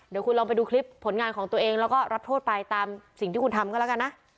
เดี๋ยวคุณลองไปดูคลิปผลงานของตัวเองแล้วก็รับโทษไปตามสิ่งที่คุณทำก็แล้วกันนะ